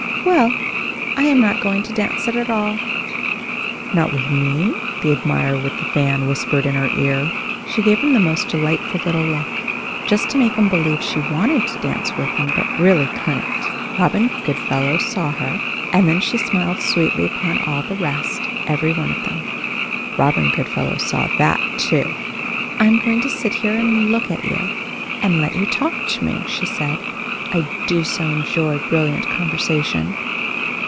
"Well, I am not going to dance it with all." "Not with me?" the admirer with the fan whispered in her ear. She gave him the most delightful little look, just to make him believe she wanted to dance with him but really couldn't. Robin Goodfelllow saw her. And then she smiled sweetly upon all the rest, every one of them. Robin Goodfellow saw that, too. "I am going to sit here and look at you, and let you talk to me," she said. "I do so enjoy brilliant conversation."